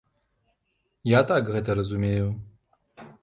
Я так гэта разумею.